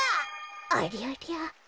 ありゃりゃ。